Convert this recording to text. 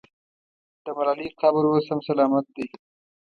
د ملالۍ قبر اوس هم سلامت دی.